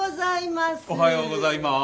おはようございます！